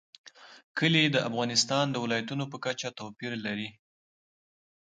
کلي د افغانستان د ولایاتو په کچه توپیر لري.